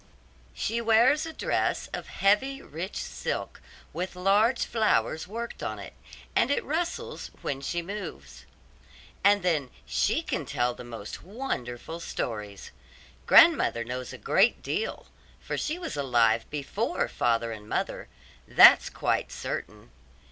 She wears a dress of heavy, rich silk, with large flowers worked on it; and it rustles when she moves. And then she can tell the most wonderful stories. Grandmother knows a great deal, for she was alive before father and mother that's quite certain.